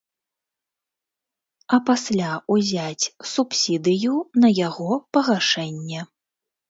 А пасля ўзяць субсідыю на яго пагашэнне.